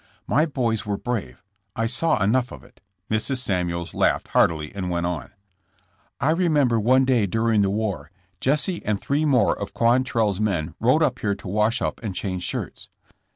''My boys were brave. I saw enough of it." Mrs. Samuels laughed heartily and went on: "I re member one day during the war, Jesse and three more of Quantrell's men rode up here to wash up and change shirts.